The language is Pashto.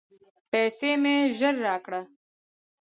پیسې مي ژر راکړه !